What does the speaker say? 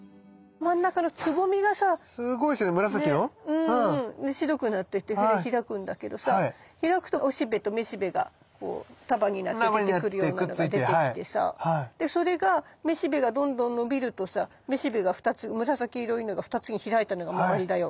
うん。で白くなってって開くんだけどさ開くと雄しべと雌しべがこう束になって出てくるようなのが出てきてさそれが雌しべがどんどん伸びるとさ雌しべが２つ紫色いのが２つに開いたのが周りだよ。